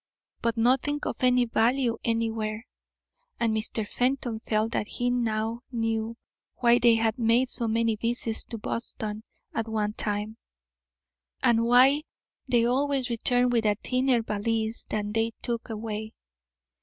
But nothing of any value anywhere, and Mr. Fenton felt that he now knew why they had made so many visits to Boston at one time, and why they always returned with a thinner valise than they took away.